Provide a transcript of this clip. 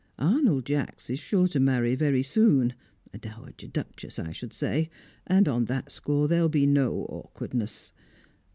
Arnold Jacks is sure to marry very soon (a dowager duchess, I should say), and on that score there'll be no awkwardness.